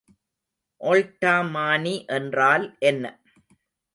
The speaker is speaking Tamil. ஒல்ட்டாமானி என்றால் என்ன?